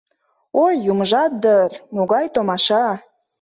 «Ой, юмыжат дыр, могай томаша!